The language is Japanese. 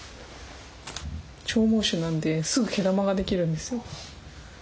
長毛種なんですぐ毛玉が出来るんですよ。